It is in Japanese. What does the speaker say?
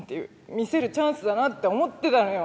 見せるチャンスだなって思ってたのよ